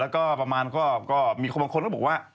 ก็ประมาณก็มีคนบอกว่า